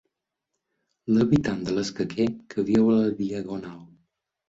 L'habitant de l'escaquer que viu a la Diagonal.